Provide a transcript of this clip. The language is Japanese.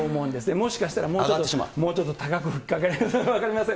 もしかしたらもうちょっと高く吹っかけられるか分かりません。